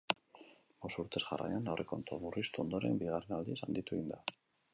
Bost urtez jarraian aurrekontua murriztu ondoren, bigarren aldiz handitu egin da.